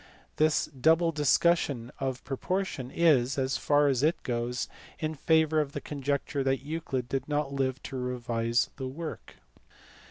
This double discussion of proportion is, as far as it goes, in favour of the conjecture that Euclid did not live to revise the work.